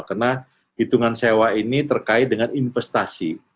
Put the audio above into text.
karena hitungan sewa ini terkait dengan investasi